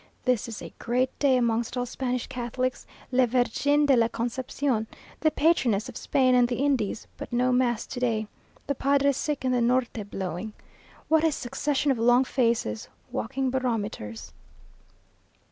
This is a great day amongst all Spanish Catholics, Le Virgen de la Concepción, the patroness of Spain and the Indies; but no mass to day; the padre sick and the Norte blowing. What a succession of long faces walking barometers!